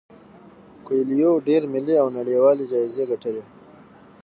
کویلیو ډیر ملي او نړیوال جایزې ګټلي دي.